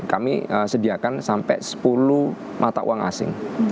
kami sediakan sampai sepuluh mata uang asing